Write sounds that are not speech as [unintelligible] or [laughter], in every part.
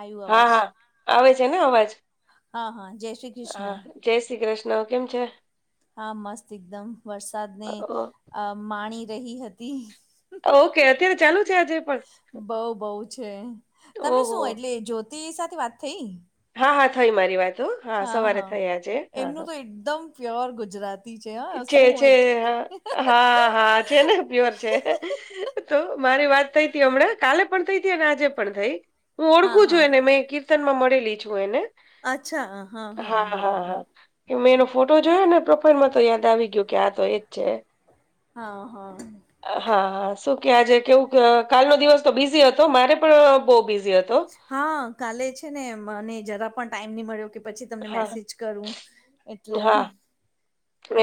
આવ્યું હા અવાજ હા આવે છે ને અવાજ હા હા જય શ્રી હા કૃષ્ણ જય શ્રી કૃષ્ણ કેમ છે? હા મસ્ત એકદમ વરસાદને અ, અ માણી રહી હતી. ઓકે અત્યારે ચાલુ છે આજે પણ બઉ બઉ છે તમે ઓહો શું એટલે જ્યોતિ સાથે વાત થઈ હા હા થઈ મારી વાત હો. હા સવારે હા થઈ આજે હા એમનું તો હા એકદમ પ્યોર ગુજરાત તી છે હા શું છે એટલે હા હા હા છે ને પ્યોર છે. તો મારી વાત થઈ તો હમણાં કાલે પણ થઈ હતી અને આજે પણ થઈ હું હા ઓળખું હા છું એને મેં કીર્તન માં મળેલી છું એને અચ્છા હા હા બરાબર કે મેં એનો ફોટો જોયો ને પ્રોફાાઈલમાં તો યાદ આવી ગયુ કે આ તો એજ છે. હા હા. હા હા શું કે આજે કેવું કે કાલનો દિવસ તો બીઝી હતો મારે પણ બહુ બિઝી હતો. હા કાલે છે ને મને જરા પણ ટાઈમ નહી મળ્યો કે પછી તમને હા મેસેજ કરું એટલે હા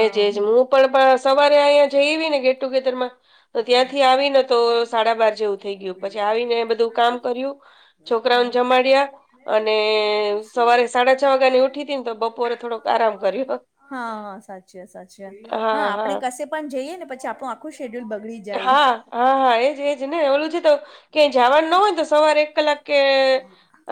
એજ એજ હું પણ પણ સવારે અહીયા જઈ ને ગેટટુગેધર માં તો ત્યાંથી આવીને તો સાડાબાર જેવું થઈ ગયું પછી આવીને બધું કામ કર્યું. હા છોકરાઓને જમાડ્યા અને સવારે સાડાછ વાગા ની ઉઠી હતી ને તો બપોરે થોડોક આરામ કર્યો તો. હા સાચી વાત સાચી વાત હા આપડે કશે પણ જઈએ ને પછી આપણું આખું શેડ્યુલ બગડી જ હા હા હા એજ એજ ને ઓલું છે તો ક્યાંય જવાનું નો હોય તો સવારે એક કલાક કે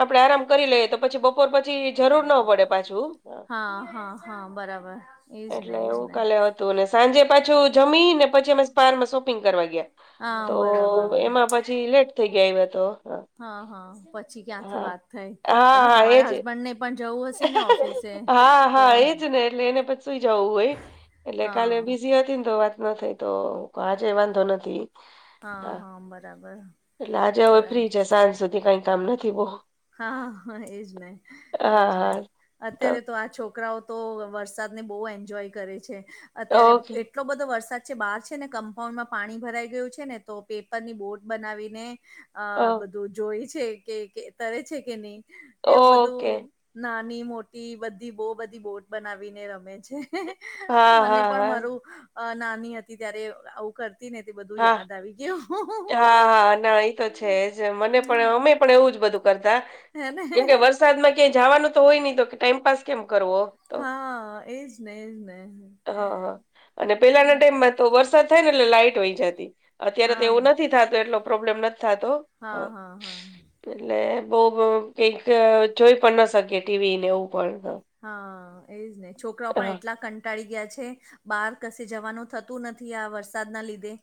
આપડે આરામ કરી લઈએ તો પછી બપોર પછી જરૂર ના પડે પાછું હા હા હા બરાબર એજ ને એટલે એજ એવું ને કાલે હતું ને સાંજે પાછું જમી ને પછી અમે પારમાં શોપિંગ કરી કરવા ગયાતા હા તો બરાબર એમાં પછી લેટ થઈ ગયા આવ્યા તો હા હા પછી ક્યાંથી હા વાત થાય હા પછી હા એજ તમારા હસબન્ડ ને પન જવું હશે ને ઓફિસે હા તો હા એજ ને એટલે એને પછી સુઈ જવું હોય એટલે કાલે હા બીઝી હતી ને તો વાત ન થઈ તો આજે વાંધો નથી. હા હા બરાબર એટલે આજે હવે બરાબર ફ્રી છે સાંજ સુધી કાઈ કામ નથી બહ હા હા એજ હા એજ હા અત્યારે તો આ છોકરાઓ તો વરસાદને બહુ એન્જોય કરે છે અત્યારે ઓકે એટલો બધો વરસાદ છે બહાર છે ને કમ્પાઉન્ડ માં પાણી ભરાઈ ગયું છે ને તો પેપર ની બોર્ટ બનાવીને ઓ અ બધું જોય છે કે તરે છે કે નહી એવું ઓકે બધું નાની મોટી બધી બહુ બધી બોટ બનાવીને રમે છે. હા મને હા પણ હા મારું નાની હતી ત્યારે આવું કરતી તી ને તો બધું હા યાદ આવી ગયું હા હા ના એ તો છે જ મને પણ અમે પણ એવું જ બધું કરતા હેને કેમ કે વરસાદમાં ક્યાયા જવાનું તો હોય નહી તો ટાઈમપ કેમ કરવો હા એજ ને એજ ને અ હ હ અને પેલાના ટાઈમમાં તો વરસાદ થાય ને એટલે લાઈટ વય જાતી અત્યારે તો હા એવું નથી થાતું એટલો પ્રોબ્લેમ નથી થાતો. હા હા હાા એટલે બઉ કઈક જોઈ પણ ના શકી ટીવી ને એવું પણ હા એજ ને છોકરાઓ પણ હા એટલા કં ટાળી ગયા છે બહાર કશે જવાનું થતું નથી આ વરસાદના લીધે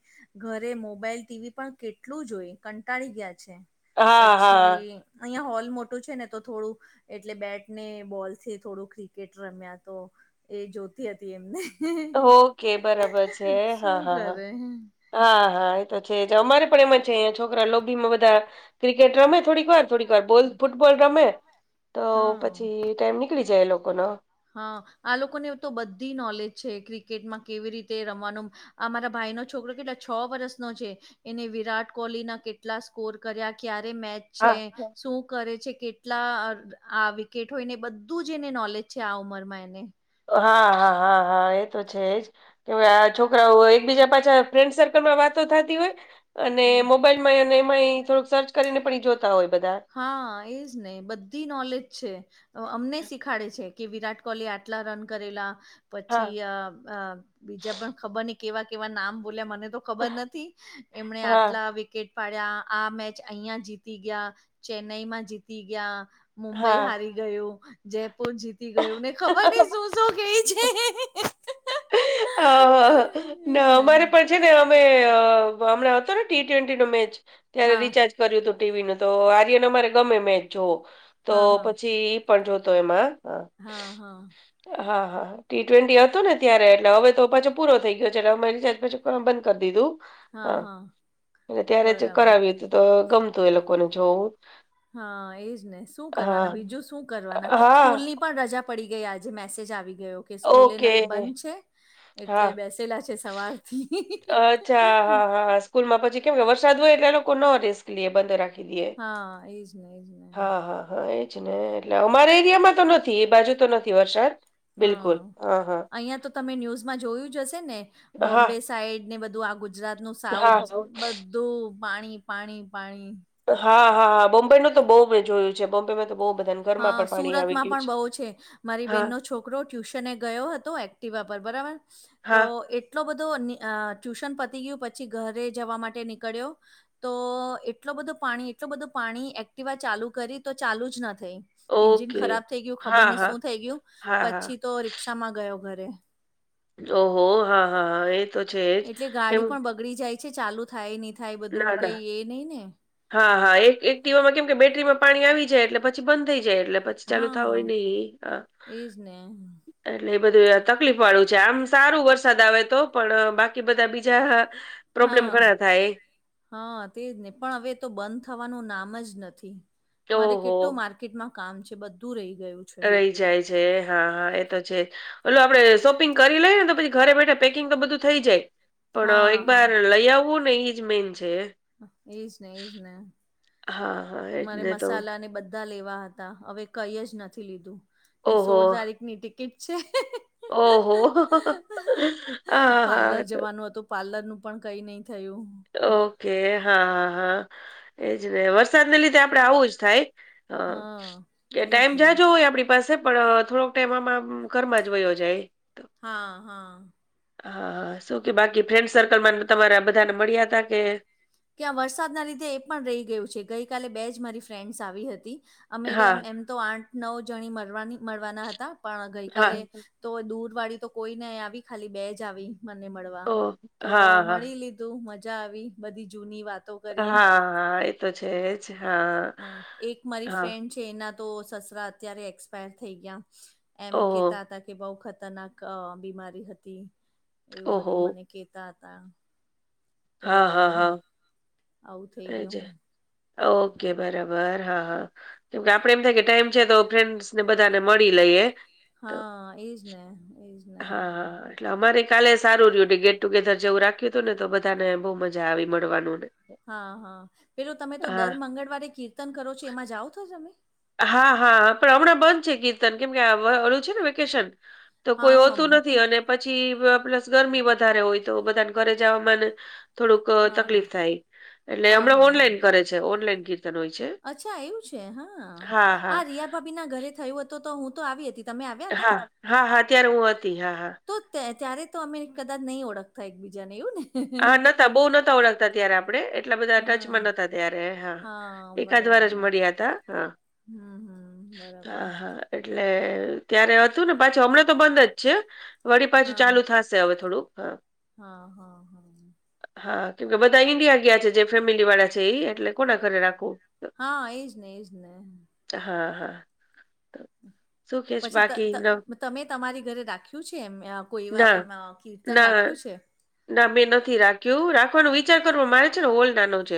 ઘરે મોબાઈલ ટીવી પણ કેટલું જોયે કંટાળી ગયા છે. હા હા પછી અહિયાં હોલ મોટું છે ને તો થોડું એટલે બેટ ને બોલ તે થોડું ક્રિકેટ રમ્યા તો એ જોતી હતી એમને ઓકે બરાબર છે [unintelligible] હા શું હા હા કરે હા હા એ તો છે અમારે પણ એમાં છે અયા છોકરા લોભીમાં બધા ક્રિકેટ રમે થોડીક વાર થોડીક વાર બોલ ફૂટબોલ રમે તો હા પછી ટાઈમ નીકળી જાય એ લોકો ન હા આ લોકોને તો બધી નોલેજ છે ક્રિકેટમાં કેવી રીતે રમવાનું અમારા ભાઈ નો છોકરો કેટલા છ વર્ષનો છે. એને વિરાટ કોહલી ના કેટલા સ્કોર કર્યા ક્યારે મેચ હા છે શું કરે છે કેટલા આ વિકેટ હોયને બધું જ એને નોલેજ છે આ ઉંમર માં એને હા હા હા હા એ તો છેજ કે આ છોકરાઓ એકબીજા પાછા ફ્રેન્ડ સર્કલમાં વાતો થતી હોય. અને હમ. મોબાઈલ માંય અને એમાંય થોડુંક સર્ચ કરીને પણ જોતા હોય બધા હા એજ ને, બધી નોલેજ છે. અહ અમને શીખાડે છે કે વિરાટ કોહલી આટલા રન કરેલા હા પછી અહ-અહ બીજા પણ ખબર નહીં કેવા-કેવા નામ બોલે મને તો ખબર નથી, એમણે હા આટલા વિકેટ પાડ્યા, આ મેચ અહિયાં જીતી ગયા. ચેન્નઈમાં જીતી ગયા, મુંબઈ હા હારી ગયું, જયપુર જીત તી ગયું, ને ખબર નહીં શું-શું કેઈ છે. અહ ને અમારે પણ [unintelligible] અમે હમણાં હતો ને ટી ટ્વેન્ટી નો મેચ, ત્યારે હા રીચાર્જ કર્યું તું ટીવી નું, તો આર્યન અમારે ગમે મેચ જોવો, તો હા હા પછી પણ જોતો એમાં હા, હા. હા, હા. ટી ટ્વેન્ટી હતો ને ત્યારે એટલે હવે તો પાછો પૂરો થઈ ગયો છે, એટલે અમે રિચાર્જ પછી કરવાનો બંધ કર દીધું. હા. અને ત્યારે જ બરાબર કરાવી હતી, તો ગમતું એ લોકોને જોવું. હા એજ ને શું હા કરવાના, બીજું શું કરવાના? હા સ્કૂલ ની પણ રજા પડી ગઈ આજે, મેસેજ આવી ગયો કે સ્કૂલે ઓકે બંધ છે. હા એટલે બેસેલા છે સવારથી. અચ્છા હા હા સ્કૂલમાં પછી કેમ કે વરસાદ હોય એટલે આ લોકો નો રિસ્ક લઈએ, બંધ રાખ ખી લીએ. હા એજ ને એજ ને હા, હા, હા એ જેને એટલે અમારે એરિયામાં તો નથી એ બાજુ તો નથી વરસાદ. હા, બિલકુલ હા હા અહીયાં તો તમે ન્યુઝમાં જોયું જ હશે ને, હા બોમ્બે સાઈડ ને બધું આ ગુજરાત નું સાઉથ હા બધ ધું પાણી-પાણી-પાણી. હા, હા, હા બોમ્બેનું તો બહુ મે જોયું છે, બોમ્બે મે તો બહુ બધાન હા સુરતમાં પણ બહુ છે. મારી હા બેનનો છોકરો ટ્યુશને ગયો હતો એક્ટિવા પર બરાબર, તો હા એ ટલો બધો ની અહ ટ્યુશન પતી ગયું, પછી ઘરે જવા માટે નીકળ્યો તો એટલો બધું પાણી એટલો બધું પાણી, એક્ટિવા ચાલુ કરી તો ચાલુ જ ન થઈ. એન્જિન ઓકે ખરાબ થઇ ગયું, ખબર હા નહીં હા શું થઇ ગયું, હા હા પછી તો રિક્ષામાં ગયો ઘરે. ઓહો! હા, હા એ જ. તો છે એટલે કેમ ગાડી પણ બગડી જાય છે, ચાલુ થાય નહીં, થાય બધું ના ના કંઈ એ નહિ ને. હા, હા એક એક્ટિવામાં કેમ કે બેટરીમાં પાણી આવી જાય એટલે પછી બંધ થઈ જાય, એટલે પ છ ચાલુ હા થાવુંય નહીં, હા. એજ ને એટલે એ બધુંય તકલીફ વાળું છે, આમ સારું વરસાદ આવે તો, પણ બાકી બધા બીજા પ્રોબ્લેમ હા. ઘણા થાય હા તેજ ને, પણ હવે તો બંધ થવાનું નામ જ નથી. મારે ઓહો કેટલું માર્ ર્કેટમાં કામ છે, બધું રહી ગયું. છે રહી જાય છે, હા, હા એ તો છે. ઓલું આપડે શોપિંગ કરી લઈએ ને તો પછી ઘરે બેઠા પેકિંગ તો બધું થઈ જાય. પણ હા એક હા. બાર લઈ આવવું ને ઈજ મેન છે. હા, એજ ને, એજ ને. હા, હા. મારે એટલે તો મસાલા ને ઈ બધ ધા લેવા હતા, હવે કંઈ જ નથી લીધું. ને ઓહો સોળ તારીખની ટિકિટ છે. ઓહો! આહા પાર્લર આ તો જવાનું હતું પાર્લર નું પણ કંઈ નહીં થયું. ઓકે, હા, હા, હા એજ ને. વરસાદને લીધે આપડે આવું જ થાય. હા. કે હા એજ ટાઈમ ને જાજો હોય આપડી પાસે પણ થોડોક ટાઇમ આમાંમ ઘર માં જ વયો જાય. હા, હા. હા શું કે બાકી ફ્રેન્ડ સર્કલમાં તમારા બધાને મળ્યા હતા કે કે આ વરસાદના લીધે એ પણ રહી ગયું છે ગઈકાલે બે જ મારી ફ્રેન્ડ્સ આવી હતી અમે તો હા. એમ એમ તો આઠ નવ જણી મળરવાની મળરવાના હતા પણ હા ગઈકાલે તો દૂર વાળી તો કોઈ નઇ આવી ખાલી બે જ આવી મને મળવા ઓહ તો હા, હા. મળી લીધું લીધું મજા આવી બધી જૂની વાતો હા કરી હા એ તો છેજ હા હા. તેના તો સસરા અત્યારે એક્સપાયર થઈ ગયા એમ ઓહો કેતા હતા કે બઉ ખતરનાક અ બીમારી હતી એવું ઓહો બધું મને કેતા હતા. તો હા, હા, હા આવું થઈ એજ ગીયું. ઓકે બરાબર હા હા કેમકે આપડે એમ થાય કે ટાઈમ છે તો ફ્રેન્ડસ ને બધાને મળી લઈએ. તો હા એજ ને એજ ને. હા હા એટલે અમારે કાલે સારું રહ્યું ગેટ ટુેર જેવું રાખ્યું ને તો બધાને બહુ મજા આવી મળવાનું ને. હા હા પેલું તમે તો હા દર મંગળવારે કીર્તન કરો છો એમાં જાઓ તો જ તમે. હા હા પણ હમણાં બંધ છે કીર્તન કેમ કે ઓલુ છે ને વેકેશન. તો હા કોઈ હા હોતું નથી અને પછી પ્લસ ગરમી વધારે હોય તો બધાને ઘરે જવાવામાં ને. થોડુંક અ હા હા તકલીફ હા થાય એટલે હમણાં હા હા ઓનલાઈન કરે છે ઓનલાઈન કીર્તન હોય છે. અચ્છા એવું છે હા આ રિયા ભાભી ના ઘરે થયું હતું તો હું તો આવી હતી. તમે આવ્યા હતા હા હા હા ત્યારે હું હતી હા હા. તો તે ત્યારે તો અમે કદાચ નહી ઓળખતા એકબીજા ને એવું ને. હા નતા બહુ નતા ઓળખતા ત્યારે આપણે. આપણે એટલા બધા હા ટચમાં નતા ત્યારે હા એકાદ વાર જ મળ્યા હતા હા. હમ હમ બરાબર હા હા એટલે ત્યારે હતું ને પાછું હમણાં તો બંધ જ છે વળી પાછું હા ચાલુ થશે હવે થોડુંક હ હા હા હા. હા કેમ કે બધા ઈન્ડિયા ગિયા છે જે ફેમિલી વાળા છે એ એટલે કોના ઘરે રાખવું. હા એજ ને એજ ને. હા હા. તો શું કે છે પછી ત બાકી ત ન- તમે તમારી ઘરે રાખ્યું છે એમ કોઈ વાર ના એમ કીર્તન ના રાખ્યું છે. ના મેં નથી રાખ્યું રાખવાનો વિચાર કરવો મારે છે ને હોલ નાનો છે.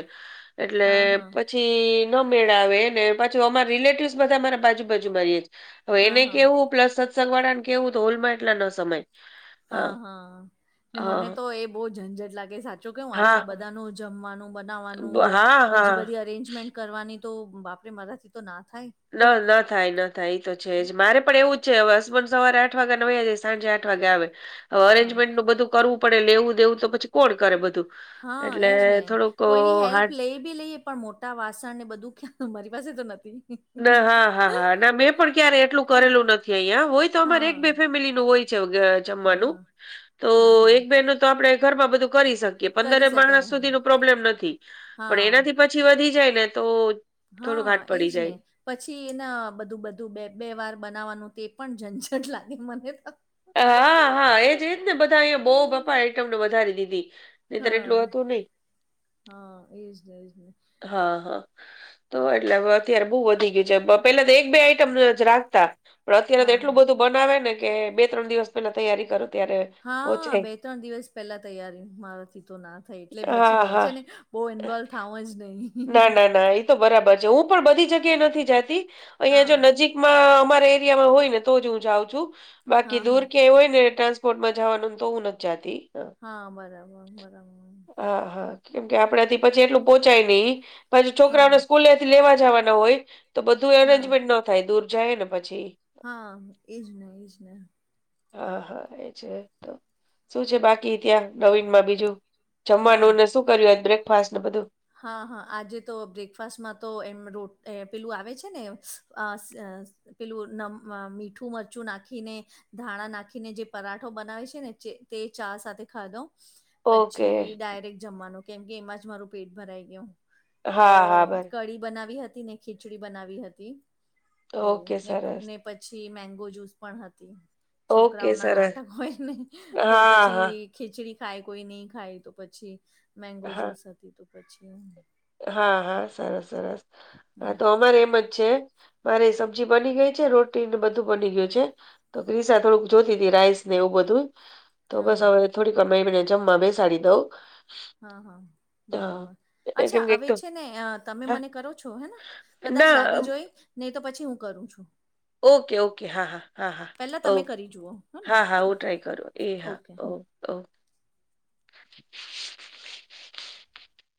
એટલે હા હા પછી ન મેળ આવેને પાછું અમાર રિલેટિવસ બધા અમારા બાજુબાજુ મા રીએ છે. હવે હા એને હા કેવું પ્લસ સત્સંગ વાળા ને કેવું તો હોલમાં એટલા ન સમાય. હા હા ને મને હા તો એ બહુ ઝંઝટ લાગે સાચું કેવું આટલા હા બધાનું જમવાનું બનાવવાનું ને હા બીજી હા. બધી અરેન્જમેન્ટ કરવાની તો બાપરે મારાથી તો ના થાય. ના ના થાય ના થાય તો છે જ મારે પણ એવું જ છે હવે હસબન્ડ સવારે આઠ વાગ્યાને વયા જાય સાંજે આઠ વાગે આવે હવે હા અરેન્જમેન્ટ નું બધું કરવું પડે લેવું દેવું તો પછી કોણ કરે બધું. હા એટલે એજ ને થોડુંક કોઈની હેલ્પ હાર્ડ લઈ બી લઈ પણ મોટા વાસણ ને બધું મારી પાસે તો નથી. ના હા હા હા ના મેં પણ ક્યારે એટલું કરેલું નથી અહીંયા હોય તો અમારે એક હા બે ફેમિલી નું હોય. ચૌગ. હા હા. તો હા હા એક બેહે નો તો આપણે ઘરમાં બધું કરી શકીએ કરી પંદરેક શકાય માણસ હા સુધી નો પ્રોબ્લેમ નથી. પણ હા એનાથી પછી વધી જાય ને તો થોડુંક હા હાથ એજ પડી જાય. ને. પછી એને બધું બધું બે-બે વાર બનાવવાનું તે પણ ઝંઝટ લાગે મને તો. હા હા એ જ જ ને બધા અહીંયા બહુ બપ્પા આઈટમને વધારી દીધી. નહીંતર હા એટલું હતું નહીં. હા એજ ને એજ ને. હા હા તો એટલે હવે અત્યારે બહુ વધી ગયું છે. બપ પેલા તો એક બે આઈટમ જ રાખતા પણ અત્યારે તો હા હા એટલું બધું બનાવે ને કે બે ત્રણ દિવસ પેલા તૈયારી કરો ત્યારે હા પહોંચાય. બે ત્રણ દિવસ પેલા તૈયારી મારાથી તો ના થઈ એટલે પછી હા, મેં હા. છે ને બહુ ઇન્વોલ થવું જ નહીં ના, ના, ના ઈ તો બરાબર છે હું પણ બધી જગ્યા નથી જાતી અહીં જો હા. નજીક અમારા એરિયામાં હોયને તો જ હું જાઉં છું હા બાકી હા. દૂર ક્યાં હોય ને ટ કોટ માં જાવાનો તો હું નથી જાતી હા બરાબર બરાબર હા હા કેમ કે આપડેથી પછી એટલું પોહંચાય નહિ પછી છોકરાઓને હા. સ્કૂલથી લેવા જવાના હોય તો બધું હા. એરેન્જમેન્ટ ન થાય દૂર જાય ને પછી હા એજ ને એજ ને હા હા એ છે તો શું છે બાકી ત્યાં નવીન માં બીજું હા. જમવાનુંને શું કર્યું આજે બ્રેકફાસ્ટ ને બધું હા હા આજે તો બ્રેકફાસ્ટમાં તો એમ રો પેલું આવે છે ને પેલું નમ મીઠું મરચું નાખીને ધાણા નાખીને જે પરાઠો બનાવે છે ને તે ચા સાથે ખાધો ઓકે પછી ડાયરેક્ટ જમવાનું કેમ કે એમાં જ મારું પેટ ભરાઈ ગયું તો હા હા બરા કઢી બનાવી હતી ને ખીચડી બનાવી હતી એવું ઓકે ને સરસ ને પછી મેંગો જૂસ પણ હતી ઓકે છોકરાઓ ના સરસ નાટક હોય ને કોઈ હા હા પછી ખીચડી ખાય કોઈ નહી ખાય તો પછી મેંગો હા જૂસ હતી તો પછી હા હા સરસ સરસ હા તો અમારે એમજ છે મારે સબ્જી બની ગઈ છે રોટી ને બધું બની ગયું છે તો ક્રિશા થોડુંક જોતી હતી રાઈસ ને એવું બધું તો હા બસ હા હવે થોડીક વારમાં એમને જમવા બેસાડી દઉં હા હા હા બરાબર એ અચ્છા કેમ કે એક હવે તો છે ને તમે હા મને કરો છો હેને કદાચ ના લાગી જોઈ નહી તો પછી હું કરું છું ઓકે ઓકે હા હા હા હા પેલા તમે ઓ કરી જુઓ હેને હા હા હુ ટ્રાય કરો એ હા ઓકે ઓ ઓ